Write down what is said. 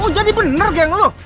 oh jadi bener geng loh